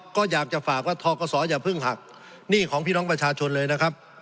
ก็อยากจะฝากว่าทกศอย่าเพิ่งหักหนี้ของพี่น้องประชาชนเลยนะครับ